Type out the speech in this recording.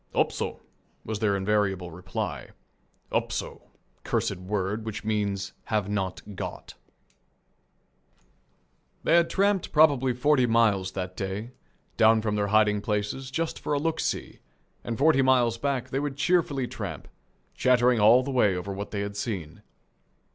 "Upso," was their invariable reply. "Upso," cursed word, which means "Have not got." They had tramped probably forty miles that day, down from their hiding places, just for a "look see," and forty miles back they would cheerfully tramp, chattering all the way over what they had seen.